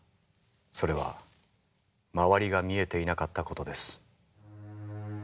それは周りが見えていなかったことです。